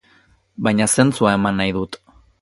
Baina zentzua eman nahi dut.